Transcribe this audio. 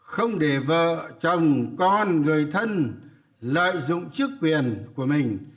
không để vợ chồng con người thân lợi dụng chức quyền của mình